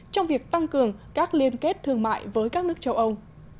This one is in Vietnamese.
trong việc tăng cường các liên kết thương mại với các nước châu âu